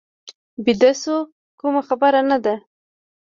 بیده شو، کومه خبره نه ده.